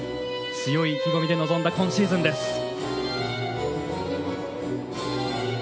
強い意気込みで臨んだ今シーズンです。